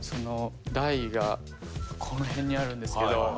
台が、この辺にあるんですけど。